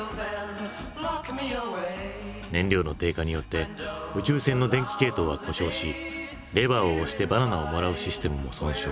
燃料の低下によって宇宙船の電気系統は故障し「レバーを押してバナナをもらうシステム」も損傷。